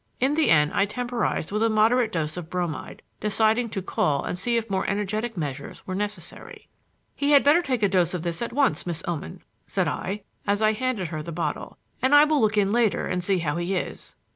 In the end I temporized with a moderate dose of bromide, deciding to call and see if more energetic measures were necessary. "He had better take a dose of this at once, Miss Oman," said I, as I handed her the bottle, "and I will look in later and see how he is."